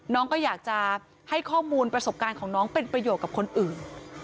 น้องก็อยากจะให้ข้อมูลประสบการณ์ของน้องเป็นประโยชน์กับคนอื่น